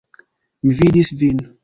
Mi vidis vin.